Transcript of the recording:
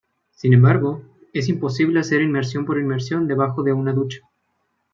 Sin embargo; es imposible hacer inmersión por inmersión debajo de una ducha.